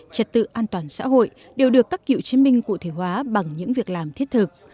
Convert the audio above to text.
trật tự an toàn xã hội đều được các cựu chiến binh cụ thể hóa bằng những việc làm thiết thực